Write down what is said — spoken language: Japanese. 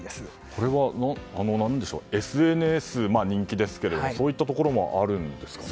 これは、何でしょうＳＮＳで人気ですがそういったところもあるんですかね。